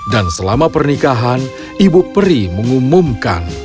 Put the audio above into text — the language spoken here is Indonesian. dan selama pernikahan ibu peri mengumumkan